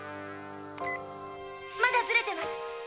まだずれてます。